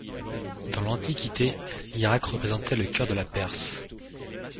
Dans l'Antiquité, l'Irak représentait le cœur de la Perse.